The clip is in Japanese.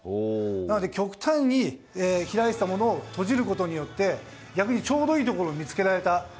なので極端に開いてたものを閉じることによって逆に、ちょうどいいところを見つけられた。